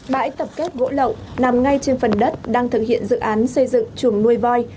bãi tập kết gỗ lậu nằm ngay trên phần đất đang thực hiện dự án xây dựng chùm nuôi voi